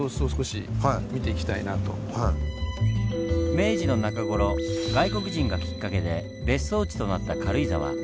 明治の中頃外国人がきっかけで別荘地となった軽井沢。